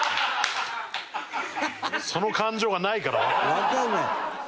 「」わかんない。